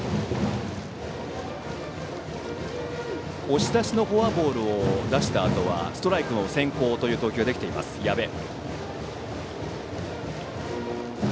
押し出しのフォアボールを出したあとはストライク先行という投球ができています、矢部。